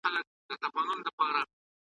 نوم به مي نه ستا نه د زمان په زړه کي پاته وي `